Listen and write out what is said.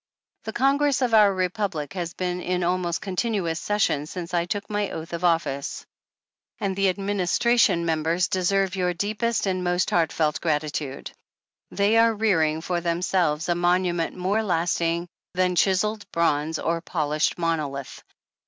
The Congress of our Republic has been in almost continuous session since I took my oath of office, and the administration members deserve your deepest and most heartfelt gratitude. They are rearing for themselves a monument more lasting than chiseled bronze or polished monolith.